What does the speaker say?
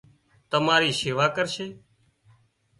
تماري شيوا ڪرشي